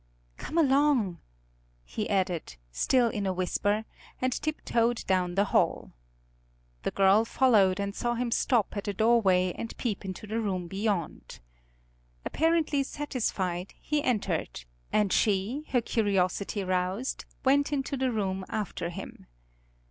"Come along," he added, still in a whisper, and tiptoed down the hall. The girl followed and saw him stop at a doorway and peep into the room beyond. Apparently satisfied he entered, and she, her curiosity roused, went into the room after him.